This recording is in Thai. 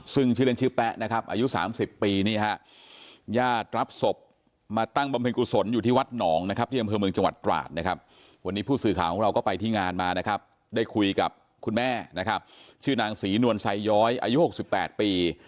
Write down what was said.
ซึ่งชื่อเลนชื่อแป๊ะอายุ๓๖ปี